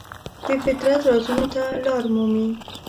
د فطرت رازونو ته لاره مومي.